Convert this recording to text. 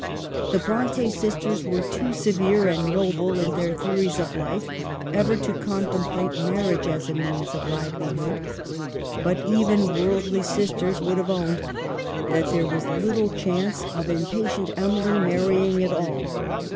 The Bronte sisters were too severe and noble in their theories of life ever to contem plate marriage as a means of livelihood ; but even worldly sisters would have owned that there was little chance of impatient Emily marrying at all.